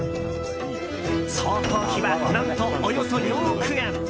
総工費は何と、およそ４億円！